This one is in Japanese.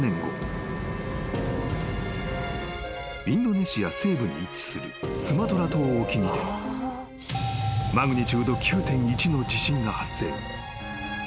［インドネシア西部に位置するスマトラ島沖にてマグニチュード９．１の地震が発生］